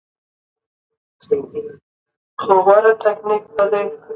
سیاسي شفافیت ولس ته ځواک ورکوي